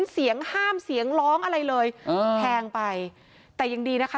เสียงห้ามเสียงร้องอะไรเลยแทงไปแต่ยังดีนะคะ